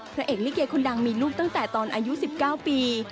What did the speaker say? พระเอกลิเกคนดังมีลูกตั้งแต่ตอนอายุ๑๙ปี